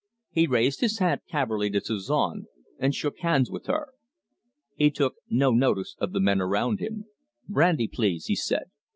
He raised his hat cavalierly to Suzon and shook hands with her. He took no notice of the men around him. "Brandy, please!" he said.